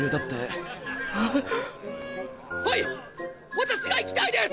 私が行きたいです！